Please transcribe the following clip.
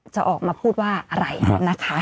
จะออกมาพูดว่าอะไรนะคะ